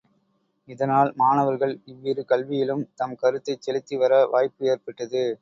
இதனால் மாணவர்கள் இவ்விரு கல்வியிலும் தம் கருத்தைச் செலுத்தி வர வாய்ப்பு ஏற்பட்டது.